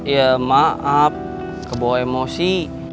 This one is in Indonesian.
ya maaf kebawa emosi